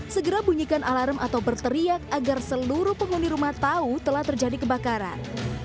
segera bunyikan alarm atau berteriak agar seluruh penghuni rumah tahu telah terjadi kebakaran